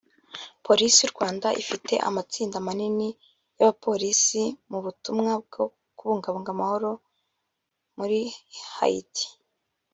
Polisi y’u Rwanda ifite amatsinda manini y’abapolisi mu butumwa bwo kubungabunga amahoro muri Haiti